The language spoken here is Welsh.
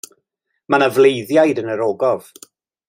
Mae 'na fleiddiaid yn yr ogof.